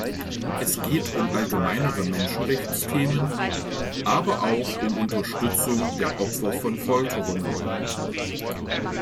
Es geht um allgemeinere Menschenrechtsthemen, aber auch um Unterstützung der Opfer von Folterungen.